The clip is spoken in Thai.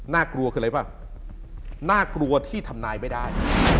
น่ากลัวน่ากลัวในที่ทำนายไม่ได้